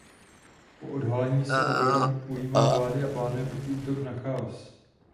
Po odhalení se Oberon ujímá vlády a plánuje protiútok na Chaos.